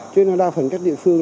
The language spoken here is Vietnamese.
cho nên đa phần các địa phương